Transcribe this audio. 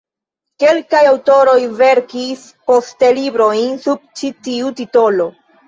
Kelkaj aŭtoroj verkis poste librojn sub ĉi tiu titolo.